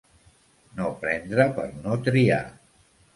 No prendre per no triar.